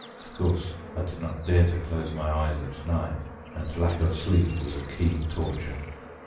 Of course, I did not dare to close my eyes at night, and lack of sleep was a keen torture.